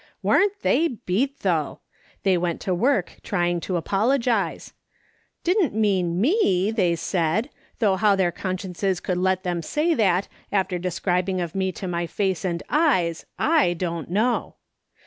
" Warn't they beat, though ! They went to work trying to apologise. ' Didn't mean mcl they said, though how their consciences would let them say that, after describing of me to my face and eyes, / don't know.